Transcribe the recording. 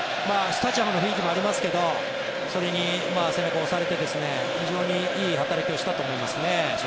スタジアムの雰囲気もありますけどそれに背中を押されて非常にいい働きをしたと思いますね。